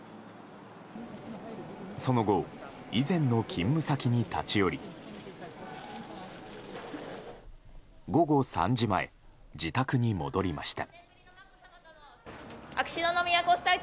その後以前の勤務先に立ち寄り午後３時前、自宅に戻りました。